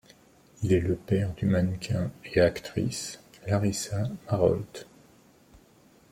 Il est le père du mannequin et actrice Larissa Marolt.